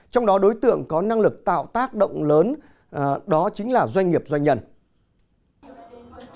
trong đó đối tượng có năng lực tạo tác động lớn đó chính là doanh nghiệp doanh nghiệp xã hội